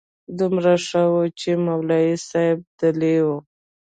دومره ښه و چې مولوي صاحب دلې و.